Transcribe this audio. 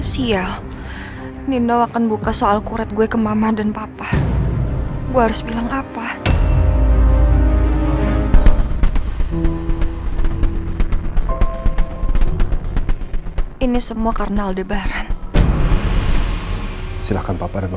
sampai jumpa di video selanjutnya